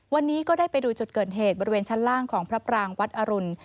วันนี้ก็ได้ไปดูจุดเกิดเหตุบริเวณชั้นล่างของพระปรางวัดอรุณ